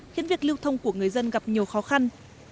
khiến việc lưu thông của người dân gặp nhiều khó khăn